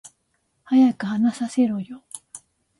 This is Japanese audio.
早く話させろよ